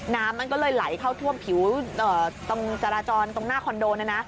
น้ำมันก็เลยไหลเข้าท่วมผิวตรงจราจรตรงหน้าคอนโดนะนะนะ